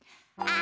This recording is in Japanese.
あ！